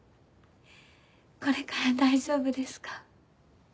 これから大丈夫ですか？